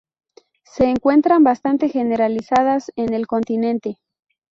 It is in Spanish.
Se encuentran bastante generalizadas en el continente.